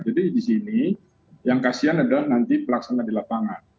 jadi di sini yang kasian adalah nanti pelaksana di lapangan